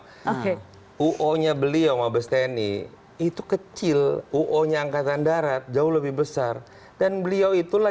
oke uonya beliau lebih ternyata itu kecil uonya angkatan darat jauh lebih besar dan beliau itulah